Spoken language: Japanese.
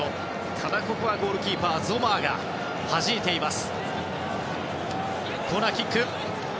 ただ、ここはゴールキーパーのゾマーがはじきました。